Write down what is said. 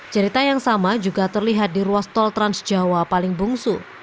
cerita yang sama juga terlihat di ruas tol transjawa paling bungsu